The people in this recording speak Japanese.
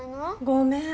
ごめん。